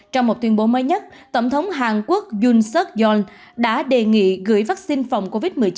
trong một tuyên bố mới nhất tổng thống hàn quốc jun seok yoon đã đề nghị gửi vaccine phòng covid một mươi chín